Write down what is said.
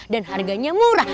dan harganya murah